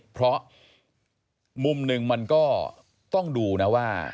เพราะมุมหนึ่งมันก็ต้องดูนะว่า